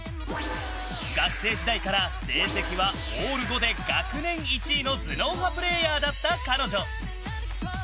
学生時代から成績はオール５で学年１位の頭脳派プレーヤーだった彼女。